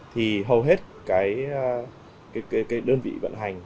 thì hầu hết cái đơn vị vận hành